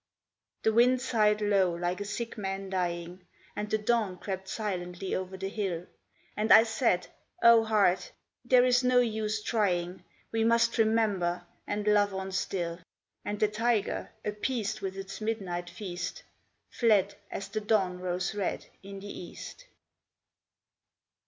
The wind sighed low like a sick man dying, And the dawn crept silently over the hill. And I said, 'O heart! there is no use trying, We must remember, and love on still.' And the tiger, appeased with its midnight feast, Fled as the dawn rose red in the East.